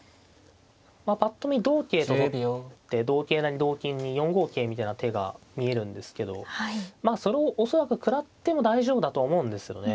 ぱっと見同桂と取って同桂成同金に４五桂みたいな手が見えるんですけどまあそれを恐らく食らっても大丈夫だとは思うんですけどね。